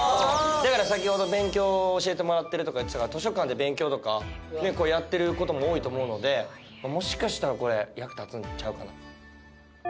だから先ほど勉強を教えてもらってるとか言ってたから図書館で勉強とかやってる事も多いと思うのでもしかしたらこれ役立つんちゃうかな。